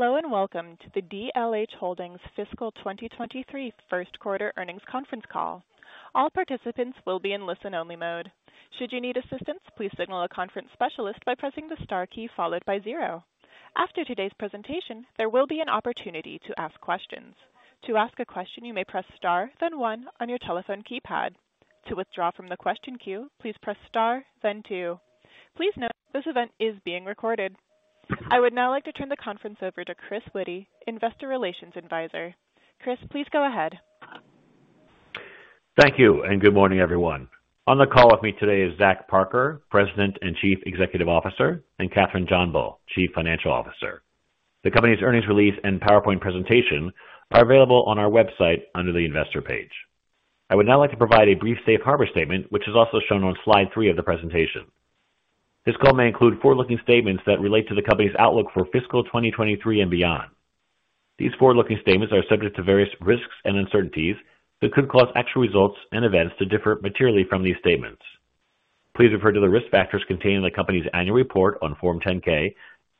Hello, welcome to the DLH Holdings fiscal 2023 first quarter earnings conference call. All participants will be in listen-only mode. Should you need assistance, please signal a conference specialist by pressing the star key followed by zero. After today's presentation, there will be an opportunity to ask questions. To ask a question, you may press star then one on your telephone keypad. To withdraw from the question queue, please press star then two. Please note this event is being recorded. I would now like to turn the conference over to Chris Witty, Investor Relations Advisor. Chris, please go ahead. Thank you good morning, everyone. On the call with me today is Zach Parker, President and Chief Executive Officer, and Kathryn JohnBull, Chief Financial Officer. The company's earnings release and PowerPoint presentation are available on our website under the investor page. I would now like to provide a brief safe harbor statement, which is also shown on slide three of the presentation. This call may include forward-looking statements that relate to the company's outlook for fiscal 2023 and beyond. These forward-looking statements are subject to various risks and uncertainties that could cause actual results and events to differ materially from these statements. Please refer to the risk factors contained in the company's annual report on Form 10-K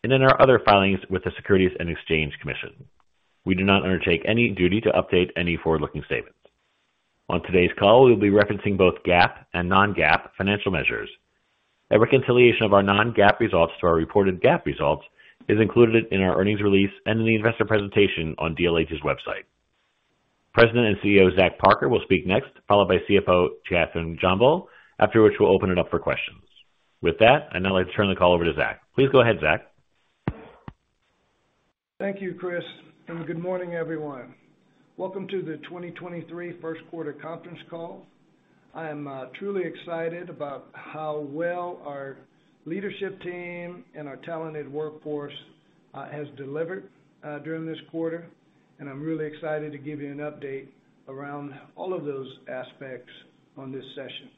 and in our other filings with the Securities and Exchange Commission. We do not undertake any duty to update any forward-looking statements. On today's call, we'll be referencing both GAAP and non-GAAP financial measures. A reconciliation of our non-GAAP results to our reported GAAP results is included in our earnings release and in the investor presentation on DLH's website. President and CEO, Zach Parker, will speak next, followed by CFO Kathryn JohnBull. After which we'll open it up for questions. With that, I'd now like to turn the call over to Zach. Please go ahead, Zach. Thank you, Chris. Good morning, everyone. Welcome to the 2023 fist quarter conference call. I am truly excited about how well our leadership team and our talented workforce has delivered during this quarter, and I'm really excited to give you an update around all of those aspects on this session.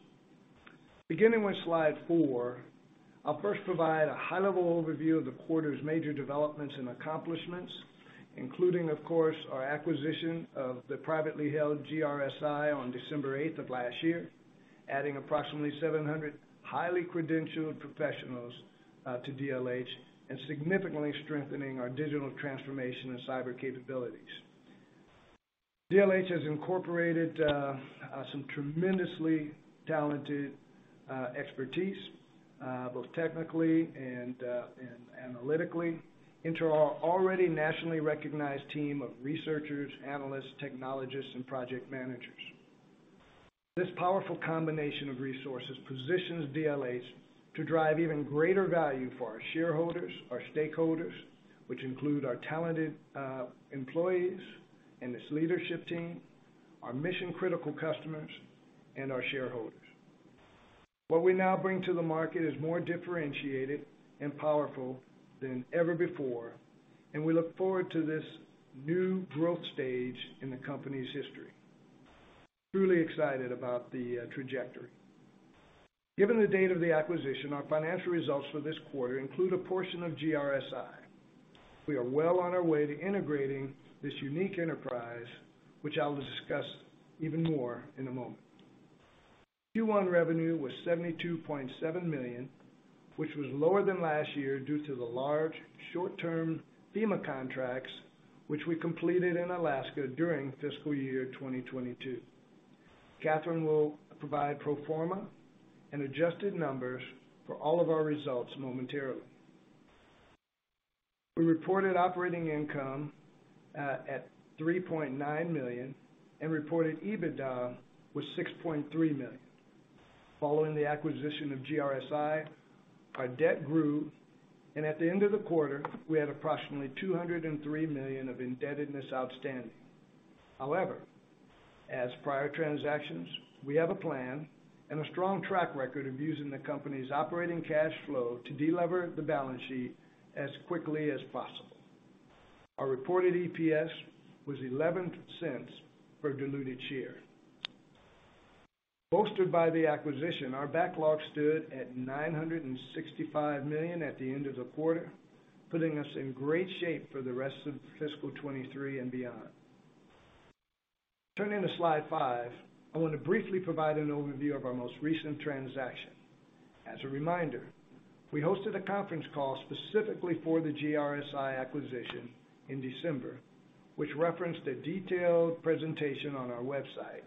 Beginning with slide four, I'll first provide a high-level overview of the quarter's major developments and accomplishments, including of course, our acquisition of the privately held GRSi on December 8th of last year, adding approximately 700 highly credentialed professionals to DLH and significantly strengthening our digital transformation and cyber capabilities. DLH has incorporated some tremendously talented expertise, both technically and analytically into our already nationally recognized team of researchers, analysts, technologists, and project managers. This powerful combination of resources positions DLH to drive even greater value for our shareholders, our stakeholders, which include our talented employees and this leadership team, our mission-critical customers and our shareholders. What we now bring to the market is more differentiated and powerful than ever before, and we look forward to this new growth stage in the company's history. Truly excited about the trajectory. Given the date of the acquisition, our financial results for this quarter include a portion of GRSi. We are well on our way to integrating this unique enterprise, which I'll discuss even more in a moment. Q1 revenue was $72.7 million, which was lower than last year due to the large short-term FEMA contracts which we completed in Alaska during fiscal year 2022. Kathryn will provide pro forma and adjusted numbers for all of our results momentarily. We reported operating income at $3.9 million and reported EBITDA was $6.3 million. Following the acquisition of GRSi, our debt grew, and at the end of the quarter, we had approximately $203 million of indebtedness outstanding. As prior transactions, we have a plan and a strong track record of using the company's operating cash flow to delever the balance sheet as quickly as possible. Our reported EPS was $0.11 per diluted share. Bolstered by the acquisition, our backlog stood at $965 million at the end of the quarter, putting us in great shape for the rest of fiscal 2023 and beyond. Turning to slide five, I want to briefly provide an overview of our most recent transaction. As a reminder, we hosted a conference call specifically for the GRSi acquisition in December, which referenced a detailed presentation on our website,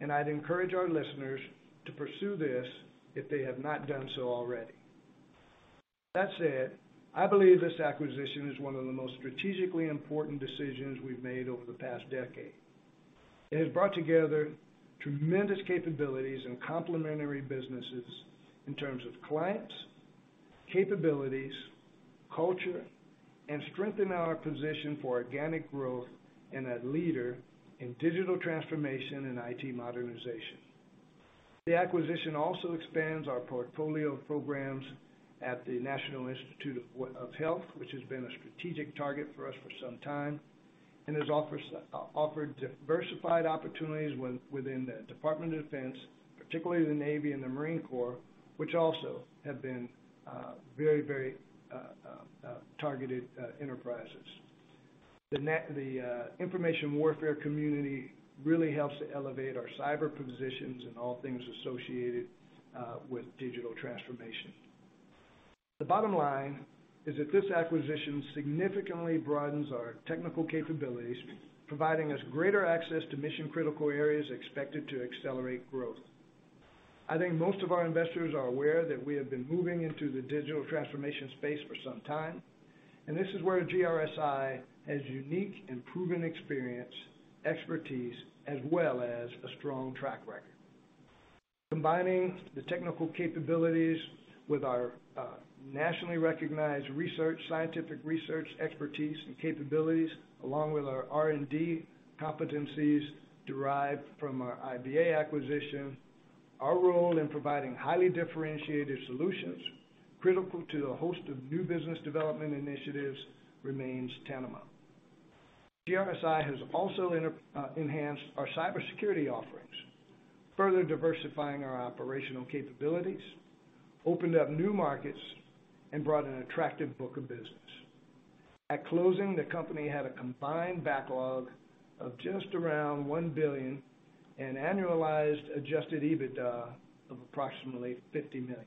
and I'd encourage our listeners to pursue this if they have not done so already. That said, I believe this acquisition is one of the most strategically important decisions we've made over the past decade. It has brought together tremendous capabilities and complementary businesses in terms of clients, capabilities, culture, and strengthen our position for organic growth and a leader in digital transformation and IT modernization. The acquisition also expands our portfolio of programs at the National Institutes of Health, which has been a strategic target for us for some time, and has offered diversified opportunities within the Department of Defense, particularly the Navy and the Marine Corps, which also have been very, very targeted enterprises. The Information Warfare Community really helps to elevate our cyber positions and all things associated with digital transformation. The bottom line is that this acquisition significantly broadens our technical capabilities, providing us greater access to mission-critical areas expected to accelerate growth. I think most of our investors are aware that we have been moving into the digital transformation space for some time, and this is where GRSi has unique and proven experience, expertise, as well as a strong track record. Combining the technical capabilities with our nationally recognized research, scientific research expertise and capabilities, along with our R&D competencies derived from our IBA acquisition, our role in providing highly differentiated solutions critical to a host of new business development initiatives remains tantamount. GRSi has also enhanced our cybersecurity offerings, further diversifying our operational capabilities, opened up new markets, and brought an attractive book of business. At closing, the company had a combined backlog of just around $1 billion and annualized adjusted EBITDA of approximately $50 million.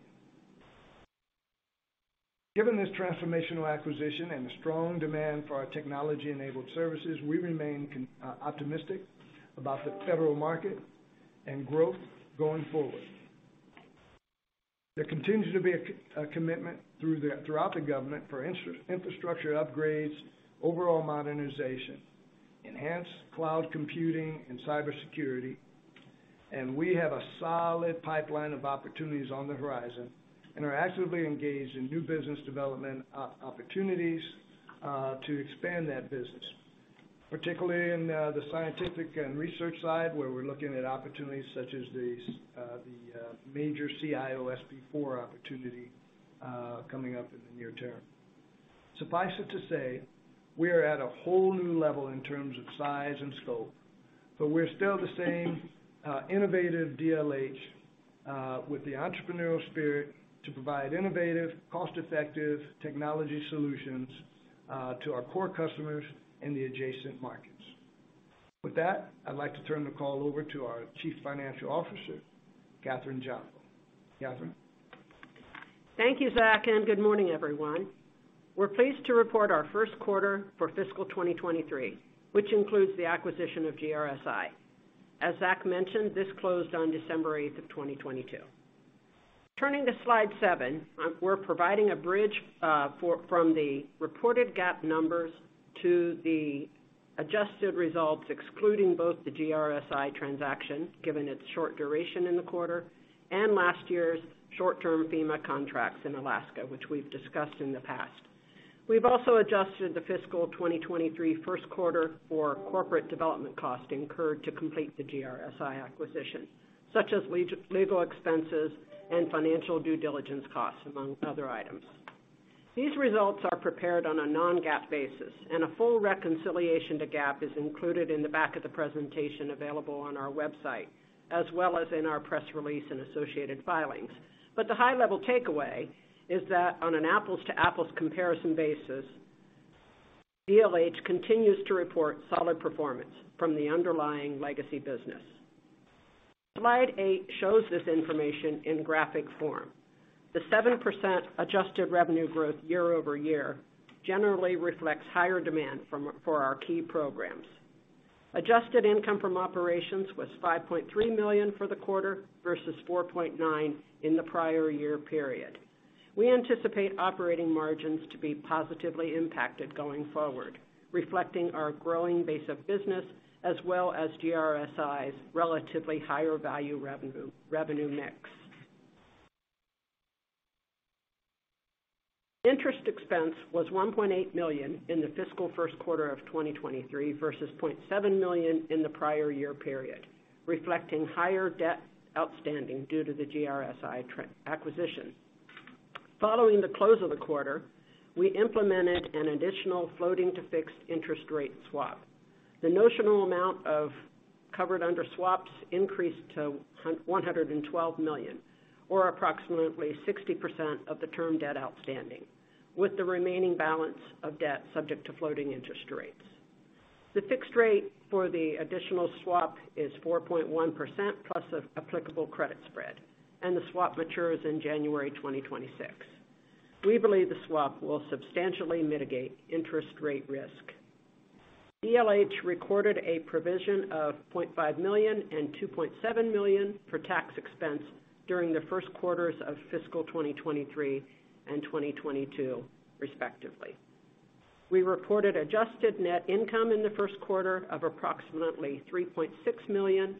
Given this transformational acquisition and the strong demand for our technology-enabled services, we remain optimistic about the federal market and growth going forward. There continues to be a commitment throughout the government for infrastructure upgrades, overall modernization, enhanced cloud computing and cybersecurity. We have a solid pipeline of opportunities on the horizon and are actively engaged in new business development opportunities to expand that business. Particularly in the scientific and research side, where we're looking at opportunities such as these, the major CIO-SP4 opportunity coming up in the near term. Suffice it to say, we are at a whole new level in terms of size and scope. We're still the same innovative DLH with the entrepreneurial spirit to provide innovative, cost-effective technology solutions to our core customers in the adjacent markets. With that, I'd like to turn the call over to our Chief Financial Officer, Kathryn JohnBull. Kathryn? Thank you, Zach, and good morning, everyone. We're pleased to report our first quarter for fiscal 2023, which includes the acquisition of GRSi. As Zach mentioned, this closed on December 8th of 2022. Turning to slide seven, we're providing a bridge for, from the reported GAAP numbers to the adjusted results, excluding both the GRSi transaction, given its short duration in the quarter, and last year's short-term FEMA contracts in Alaska, which we've discussed in the past. We've also adjusted the fiscal 2023 first quarter for corporate development costs incurred to complete the GRSi acquisition, such as legal expenses and financial due diligence costs, among other items. These results are prepared on a non-GAAP basis. A full reconciliation to GAAP is included in the back of the presentation available on our website, as well as in our press release and associated filings. The high level takeaway is that on an apples-to-apples comparison basis, DLH continues to report solid performance from the underlying legacy business. Slide eight shows this information in graphic form. The 7% adjusted revenue growth year-over-year generally reflects higher demand for our key programs. Adjusted income from operations was $5.3 million for the quarter versus $4.9 million in the prior year period. We anticipate operating margins to be positively impacted going forward, reflecting our growing base of business as well as GRSi's relatively higher value revenue mix. Interest expense was $1.8 million in the fiscal first quarter of 2023 versus $0.7 million in the prior year period, reflecting higher debt outstanding due to the GRSi acquisition. Following the close of the quarter, we implemented an additional floating-to-fixed interest rate swap. The notional amount of covered under swaps increased to $112 million, or approximately 60% of the term debt outstanding, with the remaining balance of debt subject to floating interest rates. The fixed rate for the additional swap is 4.1% plus an applicable credit spread, and the swap matures in January 2026. We believe the swap will substantially mitigate interest rate risk. DLH recorded a provision of $0.5 million and $2.7 million for tax expense during the first quarters of fiscal 2023 and 2022 respectively. We reported adjusted net income in the first quarter of approximately $3.6 million,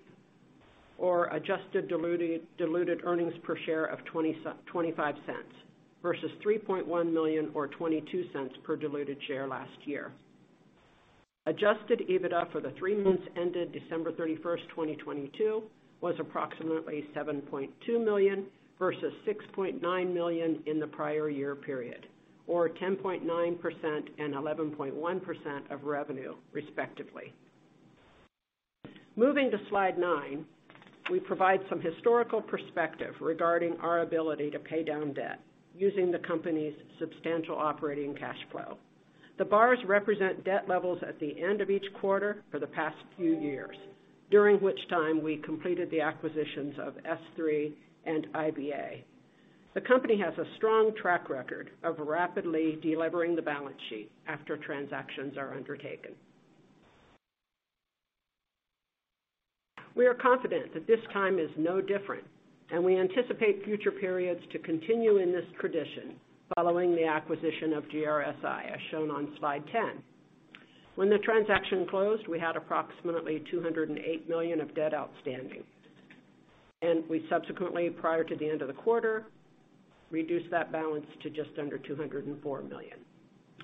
or adjusted diluted earnings per share of $0.25 versus $3.1 million or $0.22 per diluted share last year. Adjusted EBITDA for the three months ended December 31st, 2022 was approximately $7.2 million versus $6.9 million in the prior year period, or 10.9% and 11.1% of revenue respectively. Moving to Slide nine, we provide some historical perspective regarding our ability to pay down debt using the company's substantial operating cash flow. The bars represent debt levels at the end of each quarter for the past few years, during which time we completed the acquisitions of S3 and IBA. The company has a strong track record of rapidly de-levering the balance sheet after transactions are undertaken. We are confident that this time is no different, and we anticipate future periods to continue in this tradition following the acquisition of GRSi, as shown on Slide 10. When the transaction closed, we had approximately $208 million of debt outstanding. We subsequently, prior to the end of the quarter, reduced that balance to just under $204 million.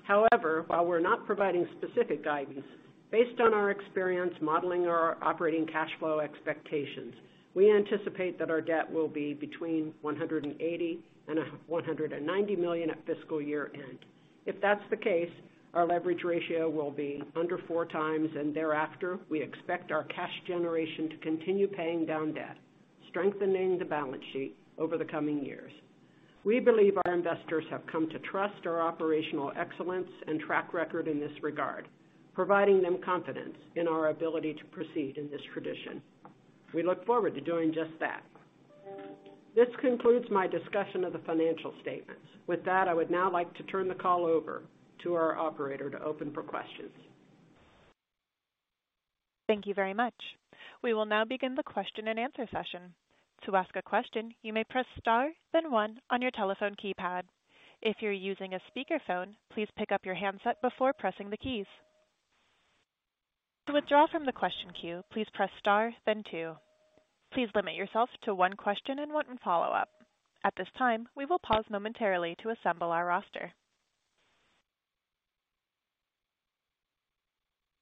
However, while we're not providing specific guidance based on our experience modeling our operating cash flow expectations, we anticipate that our debt will be between $180 million and $190 million at fiscal year-end. If that's the case, our leverage ratio will be under four times, and thereafter, we expect our cash generation to continue paying down debt, strengthening the balance sheet over the coming years. We believe our investors have come to trust our operational excellence and track record in this regard, providing them confidence in our ability to proceed in this tradition. We look forward to doing just that. This concludes my discussion of the financial statements. With that, I would now like to turn the call over to our operator to open for questions. Thank you very much. We will now begin the question-and-answer session. To ask a question, you may press star then one on your telephone keypad. If you're using a speakerphone, please pick up your handset before pressing the keys. To withdraw from the question queue, please press star then two. Please limit yourself to one question and one follow-up. At this time, we will pause momentarily to assemble our roster.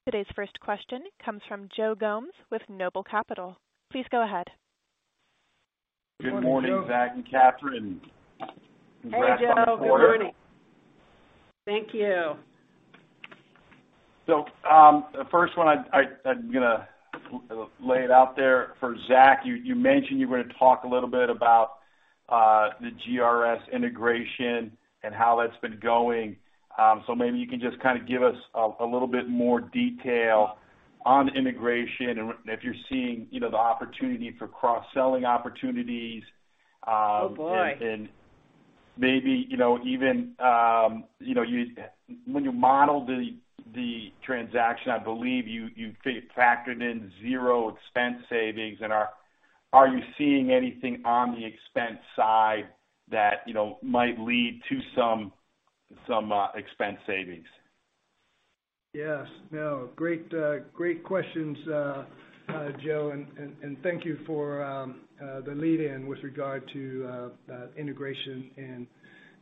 Today's first question comes from Joe Gomes with Noble Capital. Please go ahead. Good morning, Zach and Kathryn. Congrats on a quarter. Hey, Joe. Good morning. Thank you. The first one I'm gonna lay it out there for Zach. You mentioned you were gonna talk a little bit about the GRSi integration and how that's been going. Maybe you can just kinda give us a little bit more detail on integration and if you're seeing, you know, the opportunity for cross-selling opportunities. Oh, boy. Maybe, you know, even, you know, when you modeled the transaction, I believe you factored in zero expense savings. Are you seeing anything on the expense side that, you know, might lead to some expense savings? Yes. No. Great, great questions, Joe, and thank you for, the lead in with regard to, integration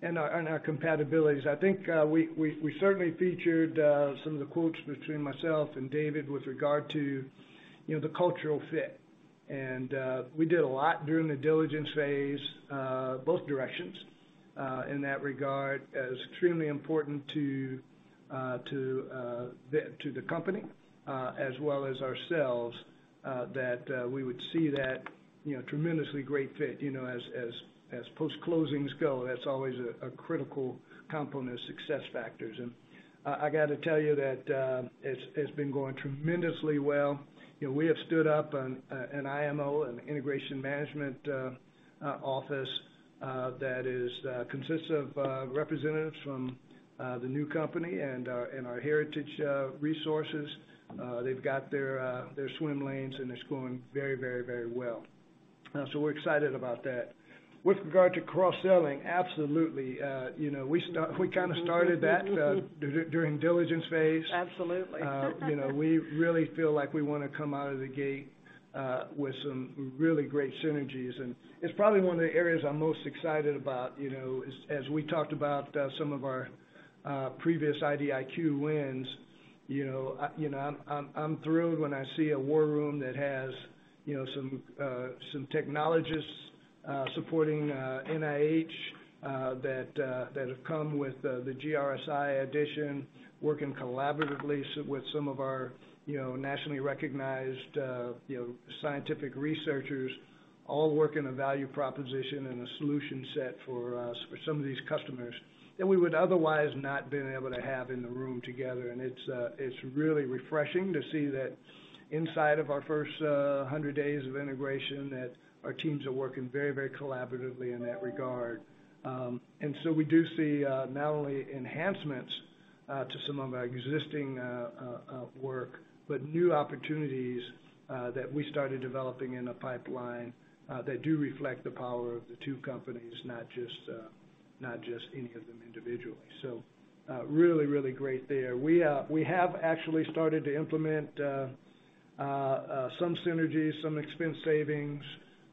and our compatibilities. I think, we certainly featured, some of the quotes between myself and David with regard to, you know, the cultural fit. We did a lot during the diligence phase, both directions, in that regard. It was extremely important to the company, as well as ourselves, that, we would see that, you know, tremendously great fit. You know, as post-closings go, that's always a critical component of success factors. I gotta tell you that, it's been going tremendously well. You know, we have stood up an IMO, an Integration Management Office, that is, consists of, representatives from, the new company and our, and our heritage, resources. They've got their swim lanes, and it's going very, very well. We're excited about that. With regard to cross-selling, absolutely. You know, we kinda started that, during diligence phase. Absolutely. You know, we really feel like we wanna come out of the gate with some really great synergies, and it's probably one of the areas I'm most excited about. You know, as we talked about some of our previous IDIQ wins, you know, I'm thrilled when I see a war room that has, you know, some technologists supporting NIH that have come with the GRSi addition, working collaboratively with some of our, you know, nationally recognized, scientific researchers, all working a value proposition and a solution set for some of these customers that we would otherwise not been able to have in the room together. It's, it's really refreshing to see that inside of our first 100 days of integration, that our teams are working very collaboratively in that regard. We do see, not only enhancements, to some of our existing work, but new opportunities, that we started developing in a pipeline, that do reflect the power of the two companies, not just any of them individually. Really great there. We have actually started to implement some synergies, some expense savings,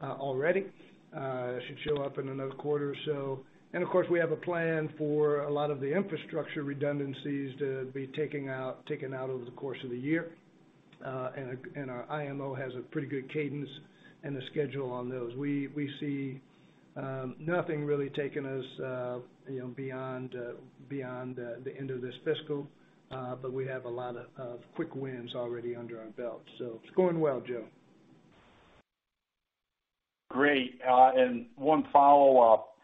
already. It should show up in another quarter or so. Of course, we have a plan for a lot of the infrastructure redundancies to be taken out over the course of the year. Our IMO has a pretty good cadence and a schedule on those. We see nothing really taking us, you know, beyond the end of this fiscal. We have a lot of quick wins already under our belt, so it's going well, Joe. Great. One follow-up.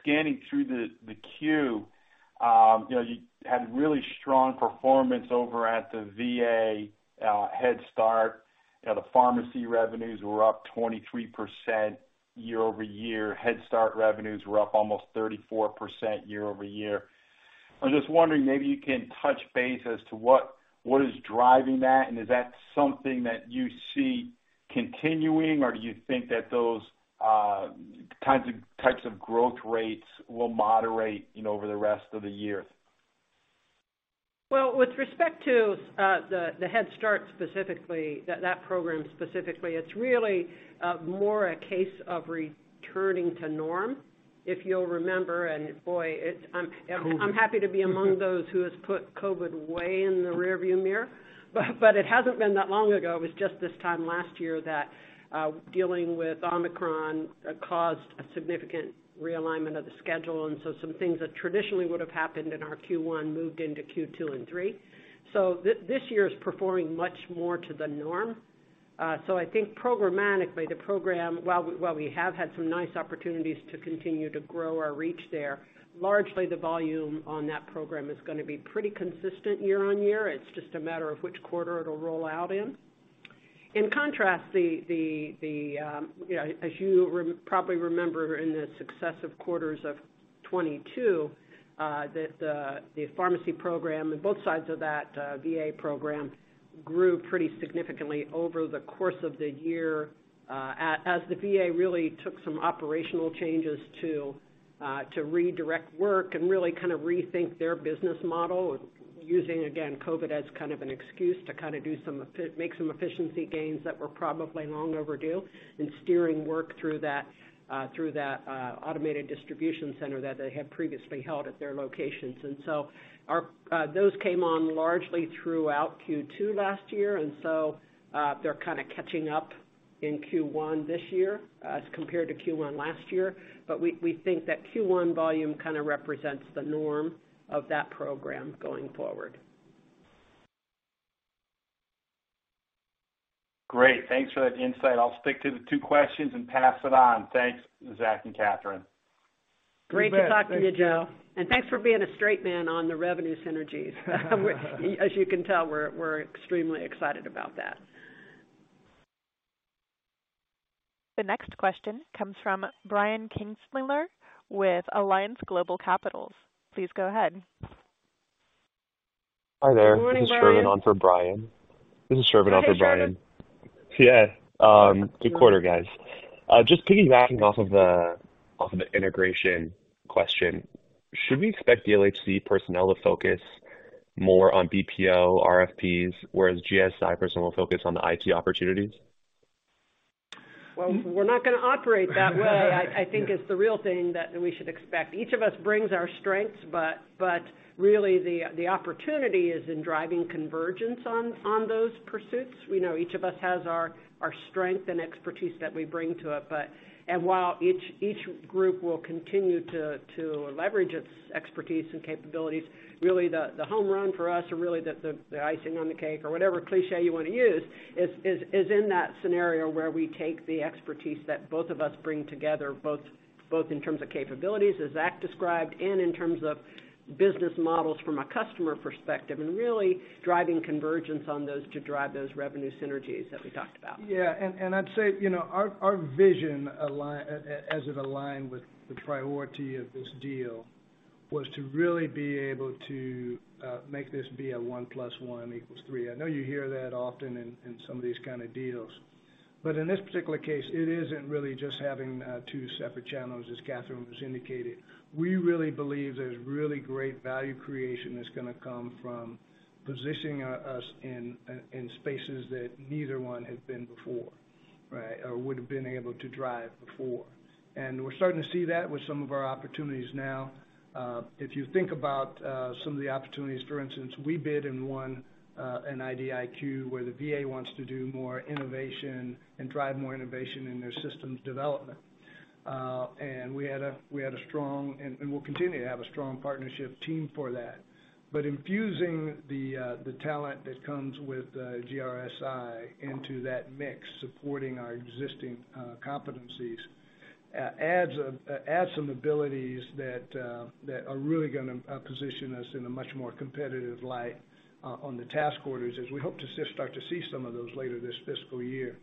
Scanning through the queue, you know, you had really strong performance over at the VA, Head Start. You know, the pharmacy revenues were up 23% year-over-year. Head Start revenues were up almost 34% year-over-year. I'm just wondering, maybe you can touch base as to what is driving that, and is that something that you see continuing, or do you think that those types of growth rates will moderate, you know, over the rest of the year? With respect to the Head Start specifically, that program specifically, it's really more a case of returning to norm. If you'll remember, and boy, I'm happy to be among those who has put COVID way in the rearview mirror. It hasn't been that long ago, it was just this time last year that dealing with Omicron caused a significant realignment of the schedule, and so some things that traditionally would have happened in our Q1 moved into Q2 and Q3. This year is performing much more to the norm. I think programmatically, the program, while we have had some nice opportunities to continue to grow our reach there, largely the volume on that program is gonna be pretty consistent year-on-year. It's just a matter of which quarter it'll roll out in. In contrast, the, the, you know, as you probably remember in the successive quarters of 2022, that the pharmacy program and both sides of that VA program grew pretty significantly over the course of the year, as the VA really took some operational changes to redirect work and really kind of rethink their business model using, again, COVID as kind of an excuse to kind of do some efficiency gains that were probably long overdue, and steering work through that, through that automated distribution center that they had previously held at their locations. Those came on largely throughout Q2 last year, they're kind of catching up in Q1 this year, as compared to Q1 last year. We think that Q1 volume kind of represents the norm of that program going forward. Great. Thanks for that insight. I'll stick to the two questions and pass it on. Thanks, Zach and Kathryn. Great to talk to you, Joe. Thanks for being a straight man on the revenue synergies. As you can tell, we're extremely excited about that. The next question comes from Brian Kinstlinger with Alliance Global Capitals. Please go ahead. Hi there. Good morning, Brian. This is Shervin on for Brian. Hey, Shervin. Good quarter, guys. Just piggybacking off of the integration question, should we expect the DLH personnel to focus more on BPO RFPs, whereas GRSi personnel focus on the IT opportunities? Well, we're not gonna operate that way, I think is the real thing that we should expect. Each of us brings our strengths, but really the opportunity is in driving convergence on those pursuits. We know each of us has our strength and expertise that we bring to it, but. While each group will continue to leverage its expertise and capabilities, really the home run for us or really the icing on the cake or whatever cliche you wanna use is in that scenario where we take the expertise that both of us bring together, both in terms of capabilities, as Zach described, and in terms of business models from a customer perspective, and really driving convergence on those to drive those revenue synergies that we talked about. Yeah, I'd say, you know, our vision align as it aligned with the priority of this deal was to really be able to make this be a 1 + 1 = 3. I know you hear that often in some of these kind of deals. In this particular case, it isn't really just having two separate channels, as Kathryn has indicated. We really believe there's really great value creation that's gonna come from positioning us in spaces that neither one has been before, right? Or would have been able to drive before. We're starting to see that with some of our opportunities now. If you think about some of the opportunities, for instance, we bid and won an IDIQ where the VA wants to do more innovation and drive more innovation in their systems development. nd we'll continue to have a strong partnership team for that. But infusing the talent that comes with GRSi into that mix, supporting our existing competencies, adds some abilities that are really going to position us in a much more competitive light on the task orders as we hope to start to see some of those later this fiscal year.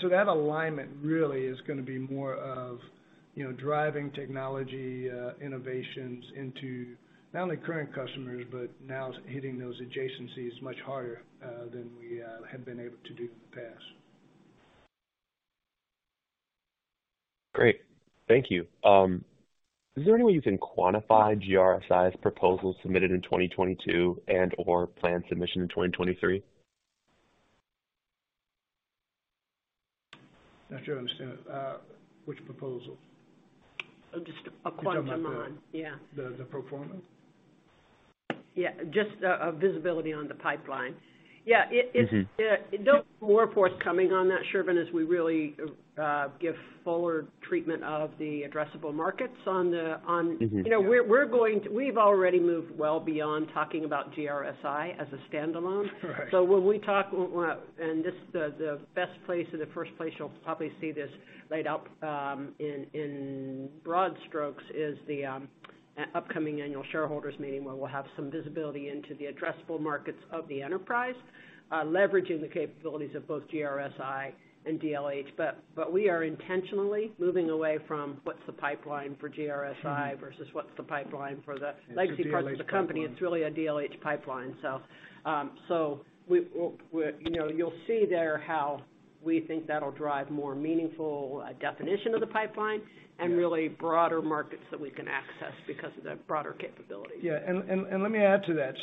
So that alignment really is going to be more of, you know, driving technology innovations into not only current customers, but now hitting those adjacencies much harder than we have been able to do in the past Great. Thank you. Is there any way you can quantify GRSi's proposals submitted in 2022 and or planned submission in 2023? Not sure I understand that. Which proposal? Just a quantum on. You're talking about. Yeah. The pro forma? Yeah, just, a visibility on the pipeline. Yeah. It. Mm-hmm. There'll be more forthcoming on that, Shervin, as we really give forward treatment of the addressable markets. Mm-hmm. You know, We've already moved well beyond talking about GRSi as a standalone. Right. When we talk, this, the best place or the first place you will probably see this laid out, in broad strokes is the upcoming annual shareholders meeting where we will have some visibility into the addressable markets of the enterprise, leveraging the capabilities of both GRSi and DLH. We are intentionally moving away from what is the pipeline for GRSi versus what's the pipeline for the legacy parts of the company. It's really a DLH pipeline. We You know, you'll see there how we think that'll drive more meaningful definition of the pipeline and really broader markets that we can access because of the broader capability. Yeah. Let me add to that.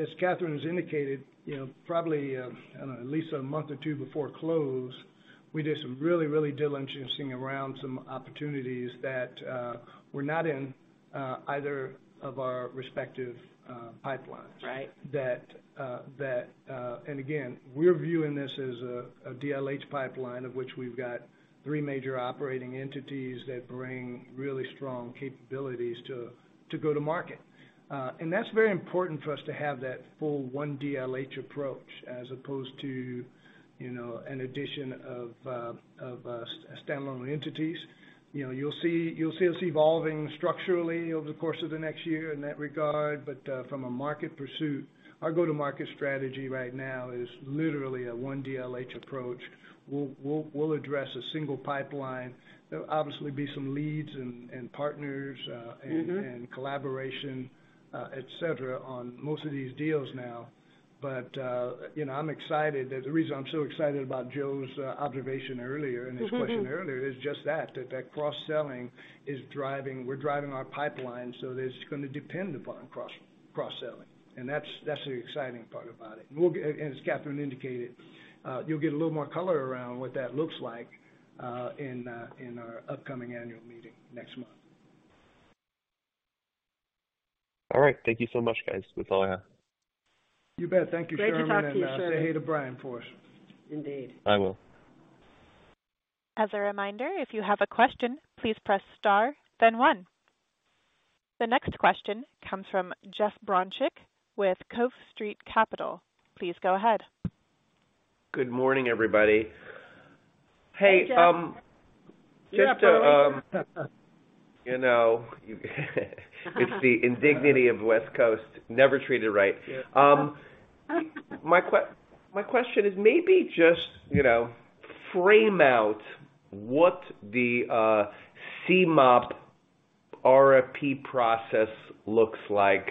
As Kathryn has indicated, you know, probably, I don't know, at least a month or two before close, we did some really diligencing around some opportunities that were not in either of our respective pipelines. Right. That again, we're viewing this as a DLH pipeline, of which we've got three major operating entities that bring really strong capabilities to go to market. That's very important for us to have that full one DLH approach as opposed to, you know, an addition of standalone entities. You know, you'll see us evolving structurally over the course of the next year in that regard. From a market pursuit, our go-to-market strategy right now is literally a one DLH approach. We'll address a single pipeline. There'll obviously be some leads and partners. Mm-hmm. Collaboration, et cetera, on most of these deals now. You know, I'm excited. The reason I'm so excited about Joe's observation earlier and his question earlier is just that cross-selling, we're driving our pipeline, so it's gonna depend upon cross-selling. That's the exciting part about it. As Kathryn indicated, you'll get a little more color around what that looks like in our upcoming annual meeting next month. All right. Thank you so much, guys. That's all I have. You bet. Thank you, Shervin. Great to talk to you, sir. Say hey to Brian for us. Indeed. I will. As a reminder, if you have a question, please press star then one. The next question comes from Jeff Bronchick with Cove Street Capital. Please go ahead. Good morning, everybody. Hey, Jeff. Hey. Yeah, Jeff. Just to, you know, it's the indignity of West Coast. Never treated right. Yeah. My question is maybe just, you know, frame out what the CMOP RFP process looks like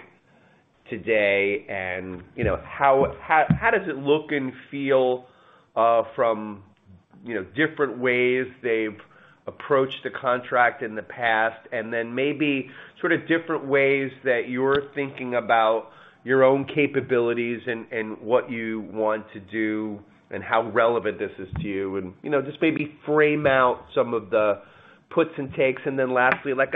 today and, you know, how does it look and feel, from, you know, different ways they've approached the contract in the past, and then maybe sort of different ways that you're thinking about your own capabilities and what you want to do and how relevant this is to you. You know, just maybe frame out some of the puts and takes. Lastly, like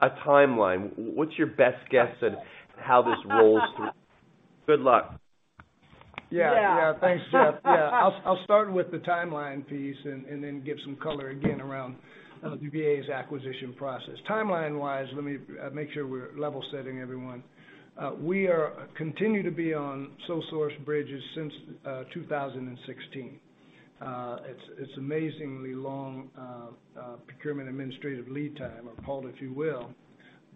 a timeline. What's your best guess at how this rolls through? Good luck. Yeah. Yeah. Thanks, Jeff. Yeah. I'll start with the timeline piece and then give some color again around the VA's acquisition process. Timeline-wise, let me make sure we're level setting everyone. We continue to be on sole source bridges since 2016. It's amazingly long procurement administrative lead time or halt, if you will.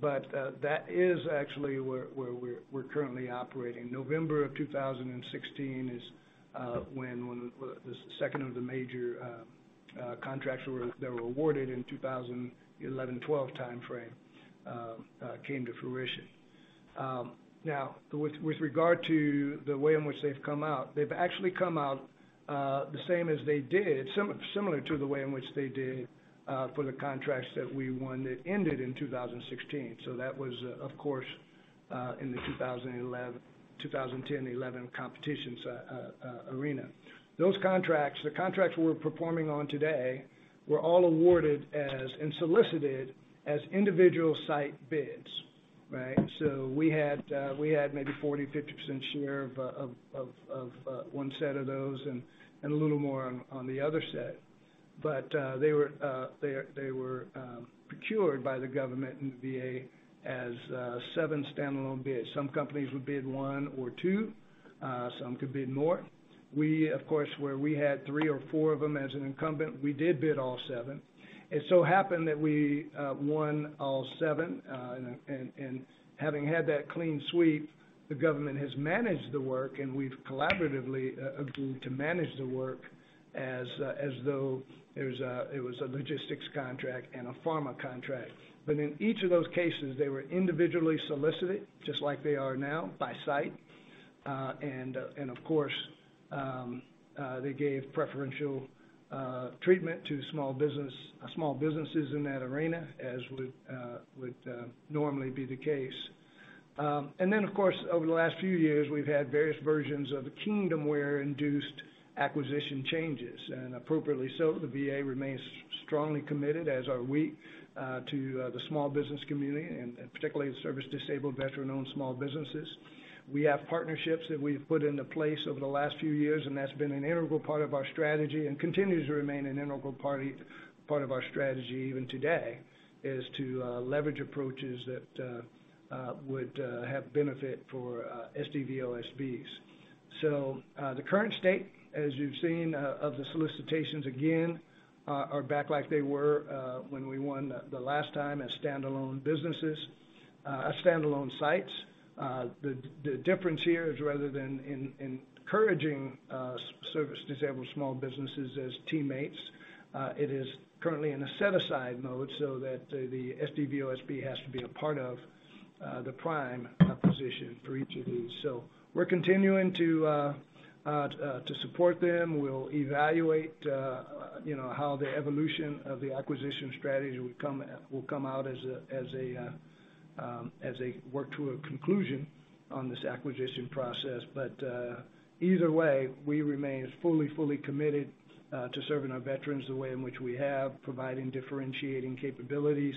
That is actually where we're currently operating. November of 2016 is when one of the second of the major contracts were that were awarded in 2011 2012 timeframe came to fruition. Now with regard to the way in which they've come out, they've actually come out the same as they did, similar to the way in which they did for the contracts that we won that ended in 2016. That was of course in the 2010 2011 competition's arena. Those contracts, the contracts we're performing on today, were all awarded as and solicited as individual site bids, right? We had maybe 40%, 50% share of one set of those and a little more on the other set. They were procured by the government and the VA as seven standalone bids. Some companies would bid one or two, some could bid more. We, of course, where we had three or four of them as an incumbent, we did bid all seven. It so happened that we won all seven. And having had that clean sweep, the government has managed the work and we've collaboratively agreed to manage the work as though it was a logistics contract and a pharma contract. In each of those cases, they were individually solicited, just like they are now, by site. And of course, they gave preferential treatment to small businesses in that arena, as would normally be the case. Then of course, over the last few years, we've had various versions of Kingdomware-induced acquisition changes. Appropriately so, the VA remains strongly committed, as are we, to the small business community and particularly the Service-Disabled Veteran-Owned Small Businesses. We have partnerships that we've put into place over the last few years, and that's been an integral part of our strategy and continues to remain an integral part of our strategy even today, is to leverage approaches that would have benefit for SDVOSBs. The current state, as you've seen, of the solicitations again, are back like they were when we won the last time as standalone businesses, as standalone sites. The difference here is rather than encouraging Service-Disabled small businesses as teammates, it is currently in a set-aside mode so that the SDVOSB has to be a part of the prime position for each of these. We're continuing to support them. We'll evaluate, you know, how the evolution of the acquisition strategy will come out as a, as they work to a conclusion on this acquisition process. Either way, we remain fully committed to serving our veterans the way in which we have, providing differentiating capabilities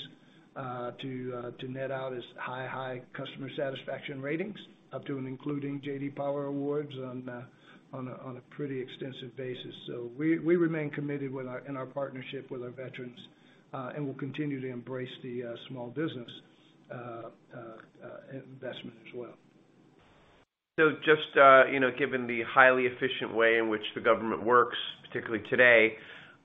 to net out as high customer satisfaction ratings up to and including J.D. Power Awards on a pretty extensive basis. We remain committed in our partnership with our veterans, and we'll continue to embrace the small business investment as well. Just, you know, given the highly efficient way in which the government works, particularly today,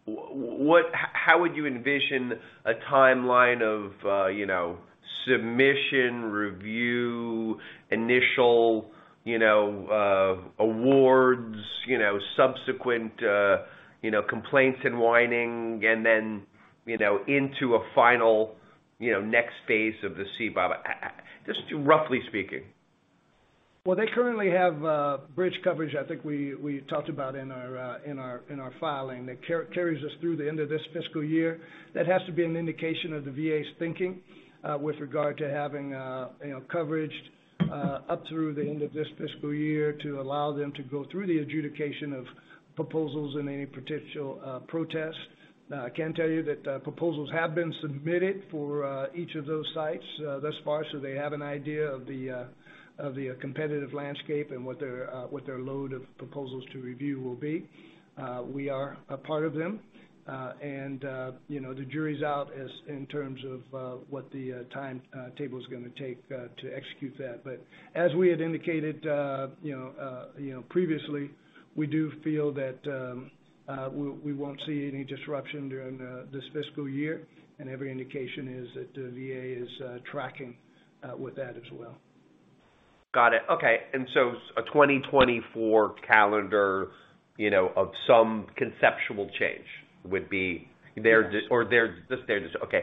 how would you envision a timeline of, you know, submission, review, initial, you know, awards, you know, subsequent, you know, complaints and whining and then, you know, into a final, you know, next phase of the CBAR, just roughly speaking? Well, they currently have bridge coverage I think we talked about in our filing that carries us through the end of this fiscal year. That has to be an indication of the VA's thinking, with regard to having, you know, coverage, up through the end of this fiscal year to allow them to go through the adjudication of proposals and any potential protests. I can tell you that proposals have been submitted for each of those sites, thus far, so they have an idea of the competitive landscape and what their load of proposals to review will be. We are a part of them, and, you know, the jury's out in terms of, what the timetable is gonna take to execute that. As we had indicated, you know, you know, previously, we do feel that we won't see any disruption during this fiscal year. Every indication is that the VA is tracking with that as well. Got it. Okay. A 2024 calendar, you know, of some conceptual change would be there. Their, just their okay.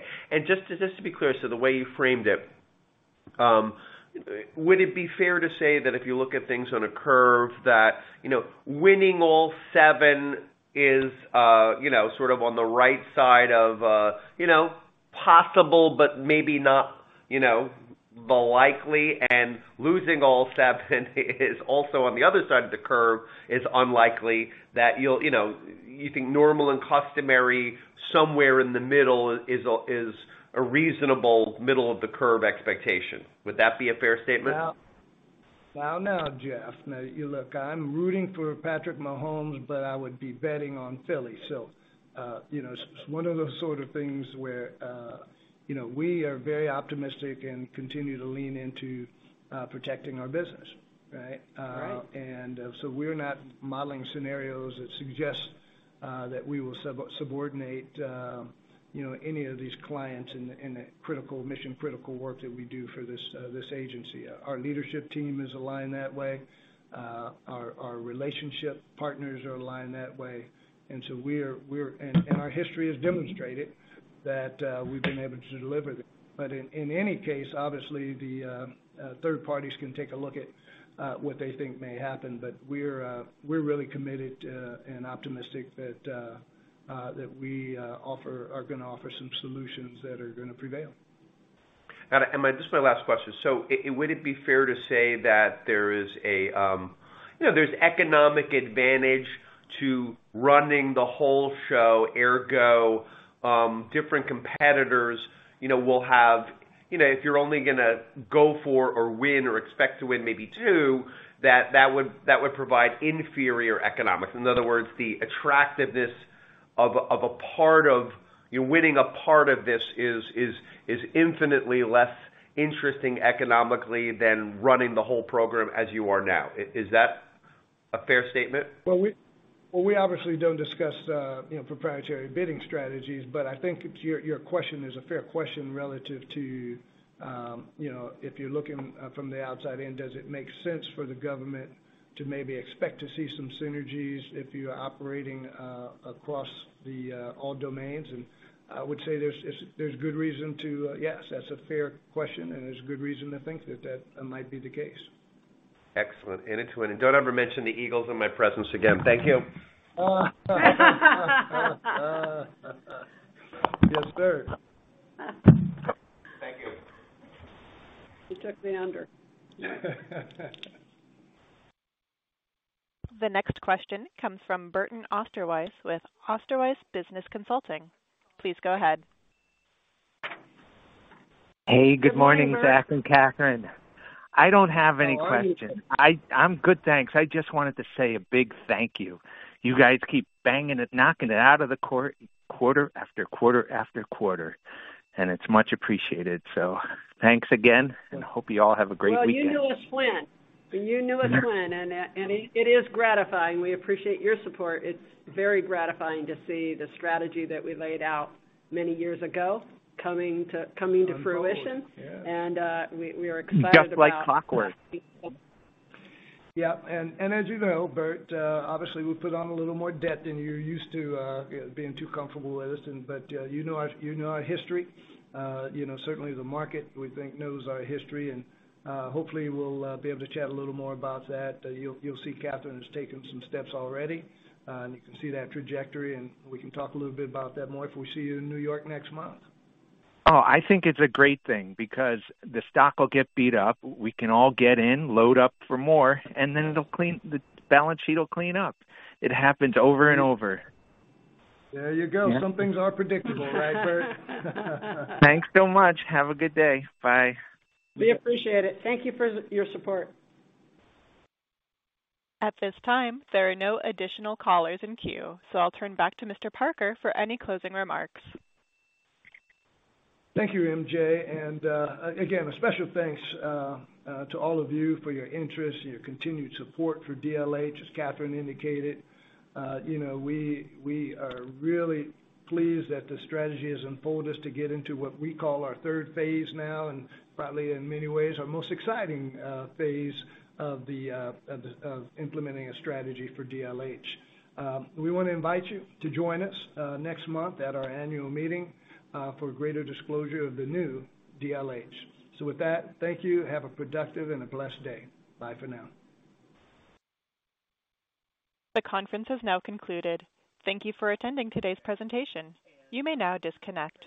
Just to be clear, so the way you framed it, would it be fair to say that if you look at things on a curve that, you know, winning all seven is, you know, sort of on the right side of, you know, possible, but maybe not, you know, the likely and losing all seven is also on the other side of the curve is unlikely that you'll, you know, you think normal and customary somewhere in the middle is a, is a reasonable middle of the curve expectation? Would that be a fair statement? Well, now, Jeff, you look, I'm rooting for Patrick Mahomes, I would be betting on Philly. It's one of those sort of things where, you know, we are very optimistic and continue to lean into protecting our business, right? Right. We're not modeling scenarios that suggest that we will sub-subordinate, you know, any of these clients in the critical, mission-critical work that we do for this agency. Our leadership team is aligned that way. Our relationship partners are aligned that way. Our history has demonstrated that we've been able to deliver that. In any case, obviously the third parties can take a look at what they think may happen, but we're really committed and optimistic that that we are gonna offer some solutions that are gonna prevail. Got it. My just my last question. Would it be fair to say that there is a, you know, there's economic advantage to running the whole show, ergo, different competitors, you know, will have, you know, if you're only gonna go for or win or expect to win maybe two, that would provide inferior economics. In other words, the attractiveness of a part of-- you're winning a part of this is infinitely less interesting economically than running the whole program as you are now. Is that a fair statement? We obviously don't discuss, you know, proprietary bidding strategies, but I think your question is a fair question relative to, you know, if you're looking from the outside in, does it make sense for the government to maybe expect to see some synergies if you're operating across the all domains? I would say there's good reason to, yes, that's a fair question, and there's good reason to think that that might be the case. Excellent. It's winning. Don't ever mention the Eagles in my presence again. Thank you. Yes, sir. Thank you. He took me under. The next question comes from Burton Osterweis with Osterweis Business Consulting. Please go ahead. Hey, good morning, Zach and Kathryn. I don't have any questions. I'm good, thanks. I just wanted to say a big thank you. You guys keep banging it, knocking it out of the court, quarter after quarter after quarter, and it's much appreciated. Thanks again and hope you all have a great week. Well, you knew a win. You knew a win. It is gratifying. We appreciate your support. It's very gratifying to see the strategy that we laid out many years ago coming to fruition. On forward, yeah. We are excited. Just like clockwork. Yeah. As you know, Burt, obviously we put on a little more debt than you're used to, being too comfortable with, but you know our history. You know, certainly the market, we think, knows our history. Hopefully we'll be able to chat a little more about that. You'll see Kathryn has taken some steps already, and you can see that trajectory, and we can talk a little bit about that more if we see you in New York next month. Oh, I think it's a great thing because the stock will get beat up. We can all get in, load up for more, and then the balance sheet will clean up. It happens over and over. There you go. Some things are predictable, right, Burt? Thanks so much. Have a good day. Bye. We appreciate it. Thank you for your support. At this time, there are no additional callers in queue. I'll turn back to Mr. Parker for any closing remarks. Thank you, MJ. Again, a special thanks to all of you for your interest and your continued support for DLH, as Kathryn indicated. You know, we are really pleased that the strategy has unfolded as to get into what we call our third phase now, and probably in many ways, our most exciting phase of implementing a strategy for DLH. We wanna invite you to join us next month at our annual meeting for greater disclosure of the new DLH. With that, thank you. Have a productive and a blessed day. Bye for now. The conference has now concluded. Thank you for attending today's presentation. You may now disconnect.